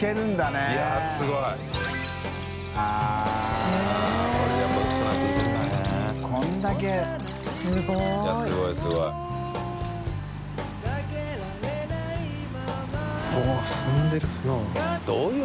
いすごいすごい。